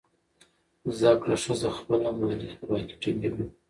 زده کړه ښځه خپله مالي خپلواکي ټینګوي.